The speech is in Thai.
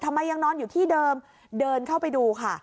ยังนอนอยู่ที่เดิมเดินเข้าไปดูค่ะ